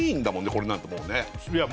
これなんてもうねいや